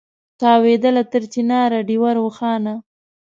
تاوېدله تر چنار ډېوه روښانه